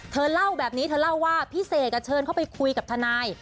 เธอเล่าแบบนี้เธอเล่าว่าพี่เสกเชิญเข้าไปคุยกับทนาย